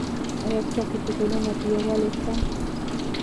آیا ستاسو په ټولنه کې یووالی سته؟